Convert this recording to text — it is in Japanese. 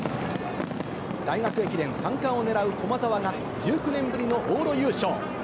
大学駅伝３冠を狙う駒澤が、１９年ぶりの往路優勝。